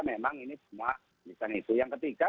memang ini semua misalnya itu yang ketiga